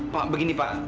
pak begini pak